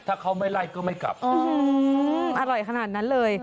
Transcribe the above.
ถ้าเขาไม่ไล่ก็ไม่กลับอร่อยขนาดนั้นเลย